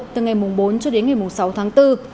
từ ngày bốn cho đến ngày sáu tháng bốn